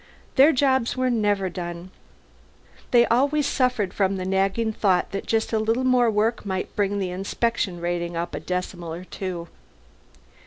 Their jobs were never done; they always suffered from the nagging thought that just a little more work might bring the inspection rating up a decimal or two.